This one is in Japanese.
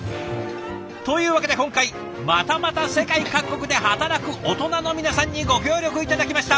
というわけで今回またまた世界各国で働くオトナの皆さんにご協力頂きました。